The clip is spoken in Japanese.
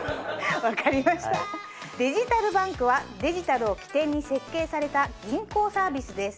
分かりましたデジタルバンクはデジタルを起点に設計された銀行サービスです。